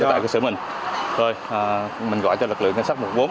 rồi mình gọi cho lực lượng công an phòng cháy chữa cháy